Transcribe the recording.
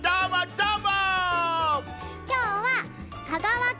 どーも！